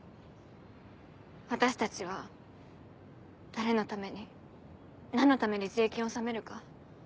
私たちは誰のために何のために税金を納めるか。